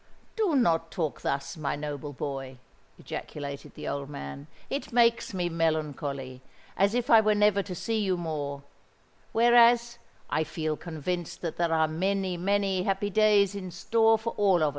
"Do not talk thus, my noble boy," ejaculated the old man; "it makes me melancholy—as if I were never to see you more; whereas, I feel convinced that there are many, many happy days in store for us all!